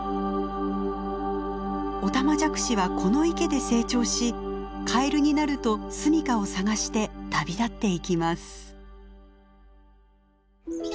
オタマジャクシはこの池で成長しカエルになると住みかを探して旅立っていきます。